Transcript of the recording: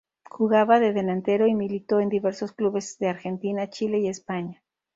Jugaba de delantero y militó en diversos clubes de Argentina, Chile y España.